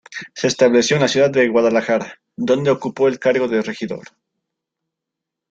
Se estableció en la ciudad de Guadalajara donde ocupó el cargo de regidor.